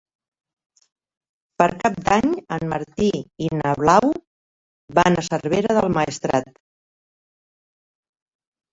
Per Cap d'Any en Martí i na Blau van a Cervera del Maestrat.